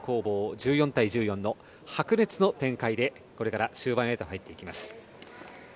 １４対１４の白熱の展開でこれから終盤へと入っていきます。